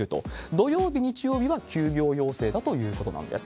土曜日、日曜日は休業要請だということなんです。